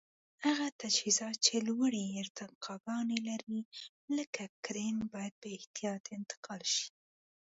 هغه تجهیزات چې لوړې ارتفاګانې لري لکه کرېن باید په احتیاط انتقال شي.